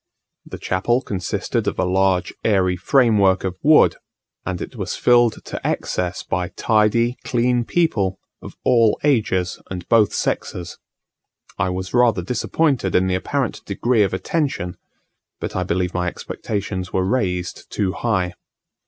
The chapel consisted of a large airy framework of wood; and it was filled to excess by tidy, clean people, of all ages and both sexes. I was rather disappointed in the apparent degree of attention; but I believe my expectations were raised too high.